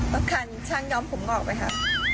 ต้องการช่างย้อมผมออกไปค่ะ